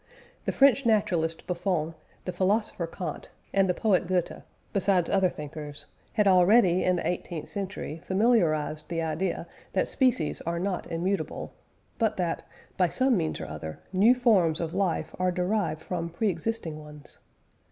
The French naturalist Buffon, the philosopher Kant, and the poet Goethe besides other thinkers had already in the eighteenth century familiarised the idea that species are not immutable, but that, by some means or other, new forms of life are derived from pre existing ones.